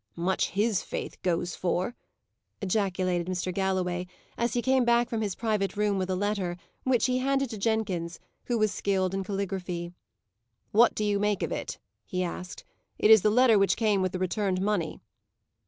"Much his faith goes for!" ejaculated Mr. Galloway, as he came back from his private room with a letter, which he handed to Jenkins, who was skilled in caligraphy. "What do you make of it?" he asked. "It is the letter which came with the returned money."